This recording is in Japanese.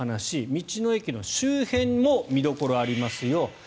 道の駅の周辺も見どころありますよ。